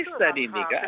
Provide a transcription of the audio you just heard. kondisi tadi ini kan